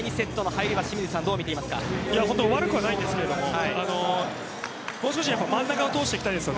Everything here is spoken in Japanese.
悪くはないんですがもう少し真ん中を通していきたいです。